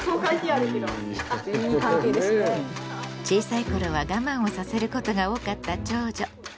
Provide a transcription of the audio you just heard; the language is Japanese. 小さい頃は我慢をさせることが多かった長女。